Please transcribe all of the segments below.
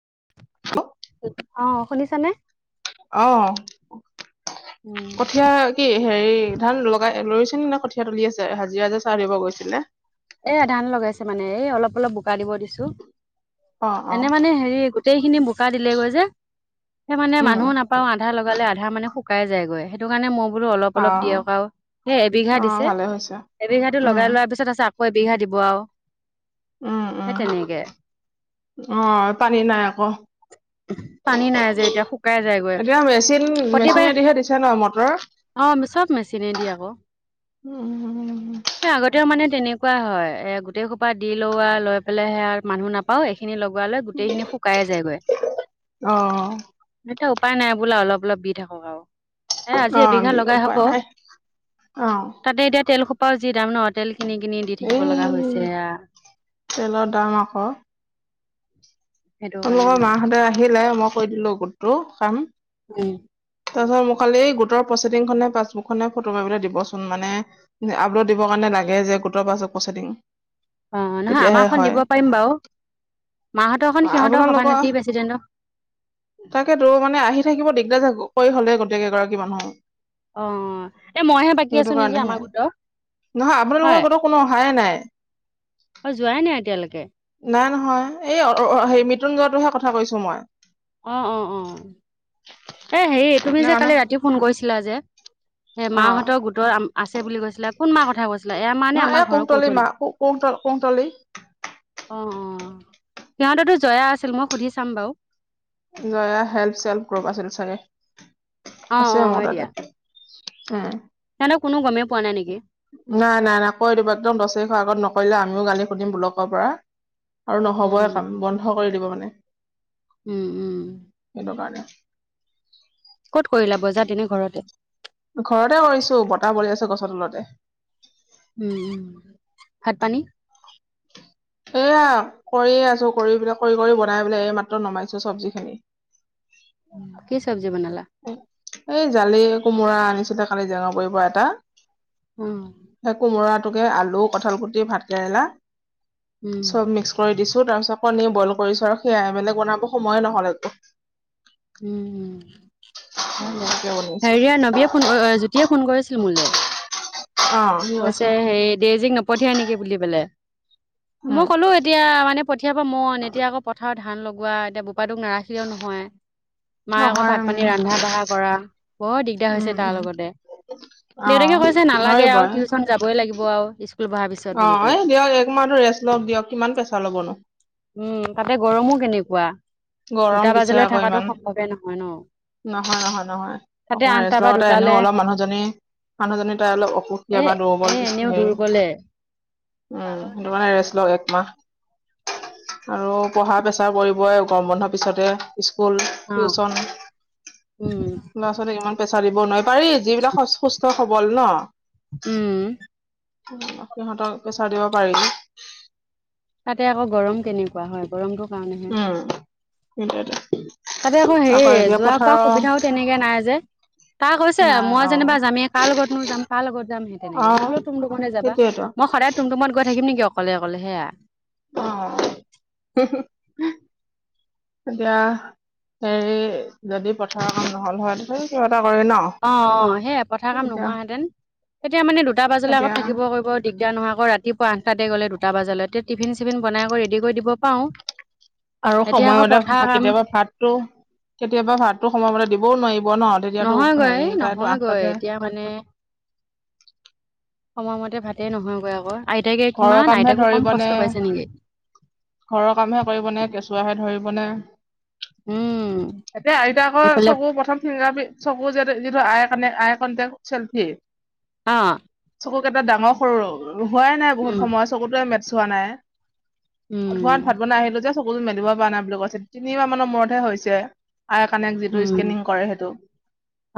[unintelligible] অ' শুনিছা নে? অ' কঠীয়া কি হেৰি ধান লগাই লৰিছিল নে কঠীয়া তলি আছে, হাজিৰাজে চাহ দিব গৈছিলে? এয়া ধান লগাইছে মানে, এই অলপ অলপ বোকা দিব দিছোঁ। অ অ এনে মানে হেৰি গোটেইখিনি বোকা দিলেগৈ যে সেই মানে উম মানুহো নাপাও আধা লগালে আধা মানে শুকাই যায়গৈ সেইটো কাৰণে মই বোলো অলপ অ অলপ দিয়ক আৰু সেই এবিঘা অ দিছে ভালে হৈছে এবিঘা টো উম লগাই লোৱাৰ পিছত আছে কৈ বিঘা দিব আৰু উম উম আহ পানী নাই আকৌ পানী নাই যে এতিয়া শুকাই যায়গৈ এতিয়া মেচিন প্ৰতিবাৰে মেচিনেদিহে দিছে ন মটৰ অ চব মেচিনে দি আকৌ উম উ উ উম উম এনেকুৱা হয় এ গোটেই খোপা দি লও আৰু লৈ পেলাইহে মানুহ নাপাও এইখিনি লগ শুক লৈ গোটেই খিনি শুকাই যায়গৈ আহ এতিয়া উপায় নাই বোলা অলপ অলপ দি থাকক আৰু এ আজি অ এবিঘা দি লগাই হব উপায় নাই অ তাতে এতিয়া তেল খোপাও যি দাম ন তেল কিনি কিনি দি থাকিব এই লগা হৈছে তেলৰ দাম আকৌ সেইটো কাৰণে তোমলোকৰ মানে মাহঁতে আহিলে মই কৈ দিলো গোটটো কাম উম তাৰপিছত মোক খালি গোটৰ প্ৰচেডিং খনেে পাছবুক খনেে ফটো মাৰলৈ দিবচোন মানে আপলোড দিবৰ কাৰণে লাগে যে গোটৰ বাছত পচাই দিম অ নহয় আমাৰখন দিব পাৰিম বাৰু মাহতৰ খ আপোনালোকৰ তাকে তো মানে আহি থাকিব দিগদাৰ থাকো কৈ হলে গতিকে এগৰাকী মানুহ অ এ মইহে বাকী সেইটো আছো নেকি কাৰণেহে আমাৰ গোটৰ নহয় আপোনালোকৰ হয় ঘৰতো কোনো অহায়ে নাই অ যোৱাই নাই এতিয়ালৈকে নাই নহয় এই অ হ মৃত্যুঞ্জয়টোহে কথা কৈছো মই অ অ অ এ হেৰি তুমি নে যে মানুহ কালি ৰাতি ফোন কৰিছিলা যে সেই অ মাহঁতৰ গোটৰ আছে বুলি কৈছিলে কোন মাৰ কথা কৈছা এয়া মানে নহয় এই আমাৰ ঘৰৰ কুহতলি কঠল মা কুহতলি কুহতলি অ অ অ সিহঁতেতো জয়া আছিল মই সুধি চাম বাৰু ন হেল্প চেল্প গ্ৰুপ আছিল চাগে অ আছে অ মোৰ হয় তাতে দিয়া উম সিহঁতক কোনো গমেই পোৱা নাই নেকি নাই নাই নাই কৈ দিবা একদম দছ তাৰিখৰ আগত নক কলে আমিও গালি সুধিম ব্লকৰ পৰা আৰু নহ'বই উম কাম বন্ধ কৰি দিব মানে উম উম, এই কাৰেনে ক'ত কৰিল বজা এনে ঘৰতে ঘৰতে কৰিছো বতাহ বলি আছে গছৰ তলতে উম উম ভাত পানী এইয়া কৰিয়ে আছো কৰি পেললে কৰি কৰি বনাই পেললে এই মাত্ৰ নমাইছো চব্জি খিনি কি চ্জি বনালা এই জালি কোমোৰা আনিছিলে কালি জেঙ পৰি পৰা এটা উম, সেই কোমৰা আলু কঁঠাল কুটি ভাত কেৰেলা উম, চব মিক্স কৰি দিছো তাৰ পিছত কণীয়ে বইল কৰিছো আৰু সেয়াই মানে বনাব সময়ে নহলে একো উম হয় দিয়া তাকে বনাইছো হেৰিয় নবীয়ে ফোন জ্যোতিয়ে ফোন কৰিছিল মোলৈ অ কি কৈছে হেৰি দেজীক নপঠিয়াই নেকি বুলি পেললে মই উম ক'লো এতিয়া মানে পঠিয়াবা মন এতিয়া আকৌ পথাৰত ধান লগোৱা এতিয়া প তোক নাৰাখিলেও নহয় মায়ে আকৌ নহয় ভাত পানী উম ৰন্ধা বঢ়া কৰা বৰ দিগদাৰ উম হৈছে তাৰ উম লগতে অ দেউতাকে কৈছে নালাগে আৰু নোৱাৰিবই টিউচন যাবই লাগিব আৰু স্কুল পঢ়াৰ পিছত বুলি অ' পেলাই। এই দিয়ক এক মাহটো ৰেষ্ট লক দিয়ক কিমান পেচা ল'ব নো। উ তাতে গৰমো কেনেকুৱা, গৰম দুটা দিছে বাজালৈ আকৌ ইমান থাকাতো সম্ভৱে নহয় ন। নহয়, নহয়, নহয় তাতে অকমান আঠটা ৰেষ্ট বা লওঁতে এনেওঁ দুটালে অলপ মানুহজনী মানুহজনী তাই অলপ অসুখীয়া এ বা দুৰ্বল এ দিচ এনেও হেই। দূৰ গলে উ হেটো কাণে ৰেষ্ট ল একমাহ। আৰু পঢ়া পেচাৰ পৰিবই গৰম বন্ধ পিছতে। স্কুল, অ টিউচন উম ল'ৰা-ছোৱালিক ইমান পেচা দিব নোৱাই। পাৰি যিবিলাক সচ-সুস্থ সবল ন। উম উ সিহঁতক পেচাৰ দিব পাৰি। তাতে আকৌ গৰম কেনেকুৱা হয়। গৰমটো কাৰণেহে। সেটোৱেটো। তাতে আকৌ হেই যোৱা কৱা সুবিধাও তেনেকে নাই যে। তা কৈছে নাই মই অ যেনিবা যামে কাৰ লগতনো যাম, কাৰ লগত যাম হে অ তেনেকে। মই বোলো টুমটুমতে যাবা। সেইটোয়েতো ম সদায় টুমটুমত গৈ থাকিম নেকি অকলে অকলে হেয়া। অ'। এতিয়া হেৰি, যদি পথাৰ কাম নহ'ল হয় তেতিয়া সিহতঁ অ', অ' হেয়া পথাৰ কাম এতিয়া নোহোৱাহেঁতেন। এতিয়া মানে দুটা বাজালৈ এতিয়া আকৌ থাকিব কইব দিগদাৰ নহয়। আকৌ ৰাতিপুৱা আঠটাতে গ'লে দুটা বাজালৈ, তে টিফিন চিফিন বনাই কই ৰেডি কৰি দিব পাওঁ। আৰু সময়মতে ভা, কেতিয়াবা ভাতটো, কেতিয়াবা ভাতো সময়মতে দিবও নোৱাই ব ন। তেতিয়াতো হেই নহয়গৈ তাইটো নহয়গৈ আঠটাতে এতিয়া মানে সময়মতে ভাতে নহয়গৈ আকৌ। আইতাইকে ঘৰৰ কিমান, কামহে আইতাকো কম ধৰিব কষ্ট নে পাইছে নেকি। ঘৰৰ কামহে কৰিবনে, কেঁচুৱাহে ধৰিবনে। উম এতিয়া আইতাক এইফালে চকু প্ৰথম ফিংগাৰ পি, চকু যে যিটো আই কানে, আই কন্তেক চেল্ফি। অ'। চকু কেটা ডাঙৰ সৰু ৰ, হোৱাই নাই বহুত উম সময় চকুটোৱে মেটছ হোৱা নাই। ধোৱাত ভাত উম বনাই আহিলোঁ যে চকুটো মেলিবই পা নাই বুলি কৈছে। তিনিবা মানৰ মূৰতহে হৈছে। আই কানেক্ট যিটো উম স্কেনিং কৰে হেটো।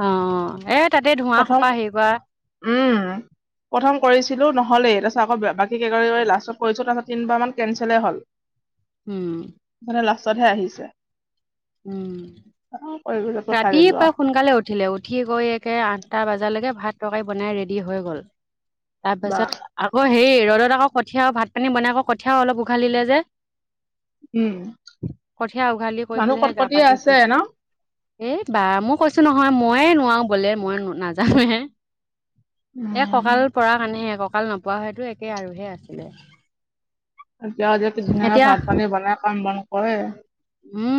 অ' এ তাতেই ধোঁৱা সোপা হেই কৱা। উম প্ৰথম কৰিছিলো নহ'লেই। তাছত আকৌ বাকী [unintelligible] লাষ্টত কৰিছোঁ, তাছত তিনবাৰমান কেনচেলে হ'ল। উ। ছতহে আহিছে। উ। কৰি পঠাই দিলো ৰাতিপা আৰু সোনকালে উঠিলে, উঠি গৈ একে আঠটা বাজালেকে ভাত তকাই বনাই ৰেডি হৈ গ'ল। বা তাপাছত আকৌ হেই ৰ'দত আকৌ কঠীয়া, ভাত পানী বনাই আকৌ কঠীয়াও অলপ উঘালিলে যে। উম কঠীয়া উঘালি কৈ মানুহ পেলাইহে গা পা কটকটীয়া আছে ধুইছি। ন এই বা মই কৈছো নহয়, ময়ে নোৱাও বলে, মই নাজানোৱে। এ উম কঁকাল পৰা কাণেহে, কঁকাল নপৱা হয়তো একে আৰু হে আছিলে। এতিয়াও যে কিত ধুনীয়াকে এতিয়া ভাত পানী বনাই কাম বন কৰে। উ। উ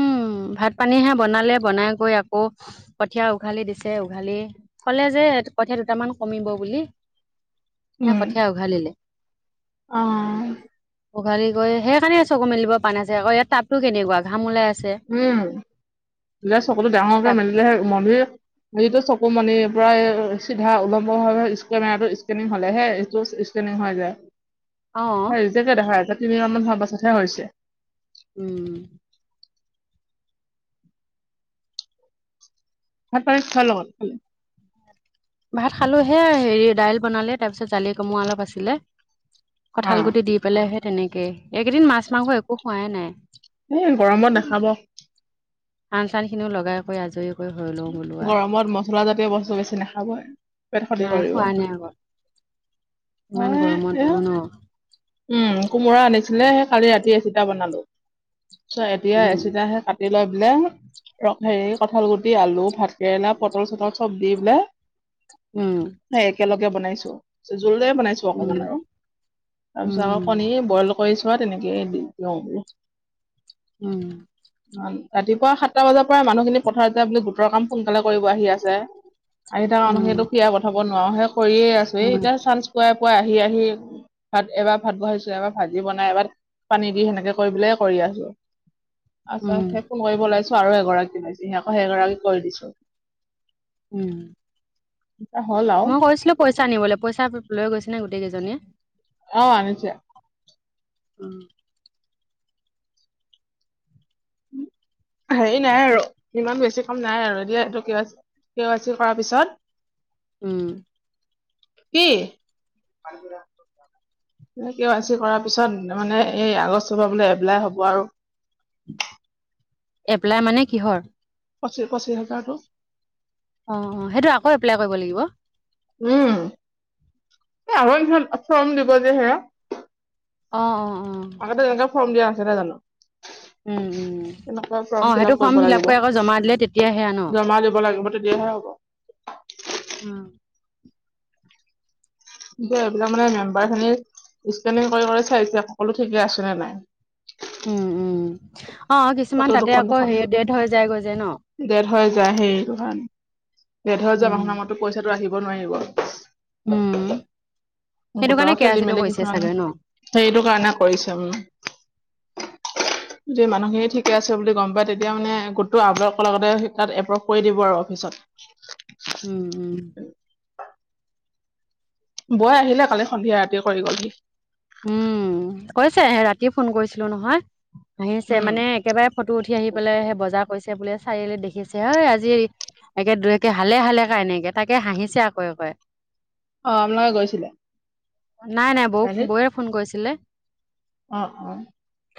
ভাত পানী হে বনালে, বনাই কই আকৌ কঠীয়া উঘালি দিছে, উঘালি ক'লে যে হেটো কঠীয়া দুটামান কমিব বুলি। [inaudible] এ কঠীয়া উঘালিলে। অ'। উঘালি গৈ হেকাণে চকু মেলিব পা না যে আকৌ। এয়াত তাপটো কেনেকুৱা ঘাম ওলাই আছ উ। বোলে চকু ডাঙৰকে তাপ মেলিলে হে মণি, হেইটো চকু মণি পৰা এ চিধা উলম্বভাৱে স্কেনাৰটো স্কেনিং হ'লেহে এইটো স্কেনিং হৈ অ যায়। ৰিজেক্ট এ দেখাই আছে, তিনি মাহ মান হোৱাৰ পাছতহে হৈছে। উম। ভাত [unintelligible] লগত ভাত খালোহে, হেৰি দাইল বনালে তাৰপিছত জালি কুমোৰা অলপ আছিলে। কঁঠাল অ', গুটি দি পেলাইহে তেনেকে, এইকেইদিন মাছ মাংস একো খোৱাই নাই। এ, গৰমত নাখাব। আন চান খিনিও লগাই কৰি আজৰিও। গৰমত মছলা জাতীয় বস্তু বেছি নাখাবই। পেট ক্ষতি নাই কৰিব, খোৱা নাই আগত ইমান মই গৰমত এয়া বোলো ন উম, কোমোৰা আনিছিলে সেই কালি ৰাতি এ চিটা বনালো। এতিয়া উম [unintelligible] কাটি লৈ বোলে, ৰ' হেৰি কঁঠাল গুটি আলু ভাত কেৰেলা পটল চটল চব দি বোলে উম সে একেলগে বনাইছো, জোল দৰে বনাইছো উম অকমান আৰু। তাৰ পিছত, আকৌ উম কণী বইল কৰি চোৱা তেনেকে দি-দিওঁ। উম। ৰাতিপুৱা সাতটা বজাৰ পৰা মানুহখিনি পথাৰতে বুলো গোটৰ কাম সোনকালে কৰিব আহি আছে। আহি থাকা মানহ উম খিনিটো খিয়া পঠাব নোৱাৰো, সেয়ে কৰিয়ে আছো উম এই এতিয়া চান্স পোৱা কৈ, আহি আহি ভাত, এবাৰ ভাত বহাইছো। এবাৰ ভাজি বনাই, এবাৰ পানী দি সেনেকে কৰি পেলাই কৰি আছো। উম [unintelligible] সেই ফোন কৰিব ওলাইছো, আৰু এগৰাকী [unintelligible] আকৌ সেইগৰাকীক কৰি দিছো। উম। এতিয়া হ'ল আৰু মই কৈছিলো পইচা আনিবলৈ, পইচা লৈ গৈছে নে গোটেই কেইজনীয়ে? অ', আনিছে। উম। হেৰি নাই আৰু, ইমান বেছি কাম নাই আৰু। এ দিয়া এইটো কে ৱা-কে ৱাই চি কৰাৰ পিছত উম। কি? কে ৱাই ছি কৰাৰ পিছত, মানে এই আগষ্ট পৰা বোলে এপ্লাই হব আৰু। এপ্লাই মানে কিহৰ? পঁচিশ-পঁচিশ হাজাৰটো। অ', অ', সেইটো আকৌ এপ্লাই কৰিব লাগিব? উম, এ আগৰ [unintelligible] ফৰ্ম দিব যে সেয়া। অ', অ', অ'। আগতে যেনেকে [unintelligible] জানো? উম উম তেনেকুৱা অ ফৰ্ম ফিল সেইটো আপ কৰিব লাগিব, কৰি আকৌ জমা দিলে তেতিয়া সেয়া ন জমা দিব লাগিব তেতিয়াহে হ'ব। উম। কি এইবিলাক মানে মেম্বাৰ খিনিৰ স্কেনিং কৰি-কৰি চাইছে, সকলো ঠিকে আছেনে নাই। উম, উম। অ', ফটো কিছুমান তাতে দুখন আকৌ দুখন হেৰি ডেট হৈ যায় গৈ যে নহ? ডেট হৈ যায়, হেৰি ডেট হৈ যায় উম [unintelligible] পইচাটো আহিব নোৱাৰিব। উম। সেইটো গোটৰ কাৰণে কে আৰ খেলি চি টো মেলি কৰিছে কিছুমান, চাগে ন সেইটো কাৰণে কৰিছে। [inaudible] যদি মানুহখিনি ঠিকে আছে বুলি গম পায়, তেতিয়া মানে গোটটো আপলোড কৰাৰ লগতে তাত এপ্ৰোভ কৰি দিব আৰু অফিচত। [inaudible] উম, উম। বৌ আহিলে, কালি সন্ধিয়া ৰাতি কৰি গলহি। উম, কৈছে ৰাতি ফোন কৰিছিলো নহয়। আহিছে, উম, মানে একেবাৰে ফটো উঠি আহি পেলাই সেই বজাৰ কৈছে বোলে চাৰিআলি দেখিছে হ আজি একে দুয়ে হালে-হালে [unintelligible] তাকে হাঁহিছে আকৌ কয়। অ আপালোকে গৈছিলে। নাই নাই বৌ চাৰিআলিত? বৌৱে ফোন কৰিছিলে। অ অ।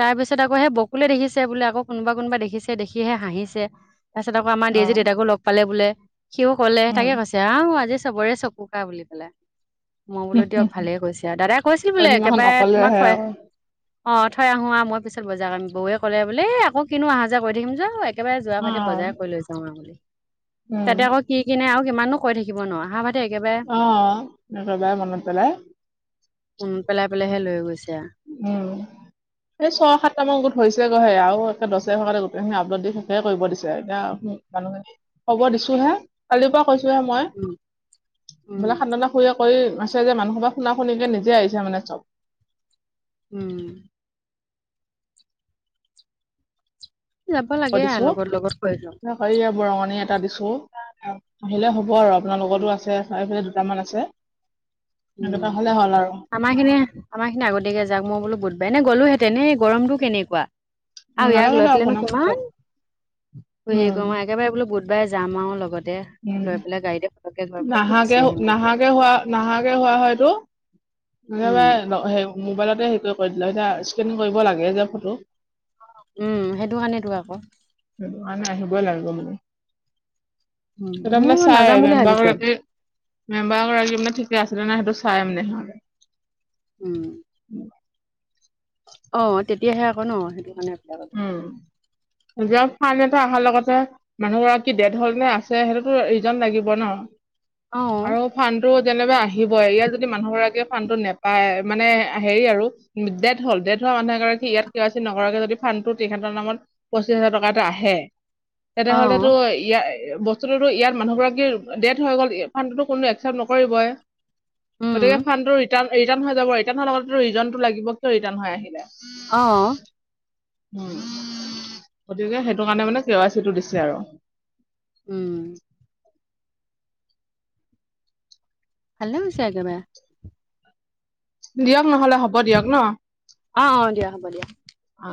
তাৰপিছত আকৌ সেই বকুলে দেখিছে বোলে, আকৌ কোনোবা কোনোবা দেখিছে দেখিহে হাঁহিছে। তাৰ পিছত আকৌ আমাৰ দেজী অ', দেউতাকো লগ পালে বোলে, সিও ক'লে উম, তাকে কৈছে আহ আজি চবৰে চকুকা বুলি পালাই, মই বোলো দিয়ক ভালে কৈছে আৰু দাদা কৈছিলো বোলে সেইদিনাখন একেবাৰে অকলে তোমাক আহে থয় আকৌ। অ থৈ আহো আহ মই পিছত বজাৰ কৰিম। বৌৱে ক'লে বোলে আকৌ কিনো অহা যোৱা কৰি থাকিম য একেবাৰে যোৱা ভাতি অ', বজাৰ কৰি লৈ যাওঁ আৰু বুলি, উম, তাতে আকৌ কি কিনে আৰু কিমানো কৈ থাকিব ন অহা ভতি অ একবাই মনত পেলাই। [unintelligible] লৈ গৈছে আ উম এই ছয় সাতটা মান গোট হৈছে গৈ হে আৰু [unintelligible] খিনি আপডট দি শেষে কৰিব দিছে এতিয়া মানুখিনি ক'ব দিছো হে কালিৰ পৰা কৈছো মই উম উম [unintelligible] কৈ আছে যে মানুহ সোপা শুনা শুনিকে নিজে আহিছে মানে চব। উম। যাব লাগে আ দিছো, লগত লগত কৰি লওঁ বৰঙণি এটা দিছো। আহিলে হ'ব আৰু উম আপোনালোকৰটো আছে, সেইফালে দুটামান আছে। উম সেনেকুৱা হ'লে হ'ল আৰু আমাৰ খিনি, আমাৰ খিনি আগতীয়াকে যাওক, মই বোলো বুধবাৰ এনে গ'লো হে তেনে গৰমটো কেনেকুৱা? উম, আৰু ইয়াক নালাগে দে লৈ পেলাই নো আপোনাক পিছত কিমান হেৰি উম কৰ মই একেবাৰে বোলো একেবাৰে যাম আৰু লগতে উম লৈ পেলাই গাড়ীতে পতকে ঘৰ পেলাই বোলো নাহাকে গুচি আহিম তেতিয়া। নাহাকে হোৱা নাহাকে হোৱা হয়টো [unintelligible] হে উম কৰি দিলো এতিয়া, স্কেনিং কৰিব লাগে যে ফটো। উম সেইটো কাৰণেতো আকৌ। মানে আহিবই লাগিব মানে। উম, এটো মানে মই চাই নাযাম মে বুলি ভাবিছো। মেম্বাৰগৰাকী মানে ঠিকে আছে নে নাই সেইটো চাই মানে। উম। অ তেতিয়াহে আকৌ ন সেইটো কাৰণে এপ্লাই কৰিলোঁ। উম। ফাইল এটা অহাৰ লগতে মানুহ গৰাকী ডেথ হ'ল নে আছে সেইটোতো ৰিজন লাগিব ন। অ', আৰু ফাণ্টো যেনেবা আহিব, ইয়াৰ যদি মানুহ গৰাকীয়ে ফণ্টো নেপায়, মানে হেৰি আৰু ডেথ হ'ল। ডেথ মানুহ এগৰাকী ইয়াত কেৱাইচি নকৰা কে যদি ফণ্টো তেখেতৰ নামত পঁচিশ হাজাৰ টকা আহে, তেনেহলেতো অ', ইয়াৰ বস্তুতো ইয়াত মানুহ গৰাকীৰ ডেট হৈ গ'ল, ফণ্টোতো কোনো একচেপ্ট নকৰিবই। উম, গতিকে ফণ্টো ৰিটাৰ হৈ যাব, ৰিটাৰ্ণ হোৱাৰ লগতে ৰিজনটো লাগিব, কিয় ৰিটাৰণ হৈ আহিলে? অ গতিকে সেইটো কাৰণে মানে কেৱাইচিটো দিছে আৰু। উম। [unintelligible] দিয়ক নহলে হ'ব দিয়ক ন। অ', অ', দিয়া হ'ব দিয়া। অ